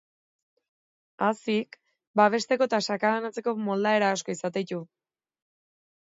Haziak babesteko eta sakabanatzeko moldaera asko izaten ditu.